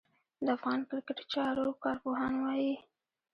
د افغان کرېکټ چارو کارپوهان وايي